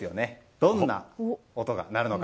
どんな音が鳴るのか。